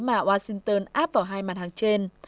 mà washington áp vào hai mặt hàng trên